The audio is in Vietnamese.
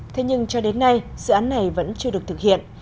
thế nhưng cho đến nay dự án này vẫn chưa được thực hiện